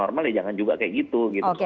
normal ya jangan juga kayak gitu gitu